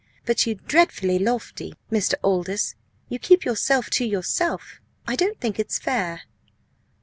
But you're dreadfully lofty, Mr. Aldous! You keep yourself to yourself. I don't think it's fair!"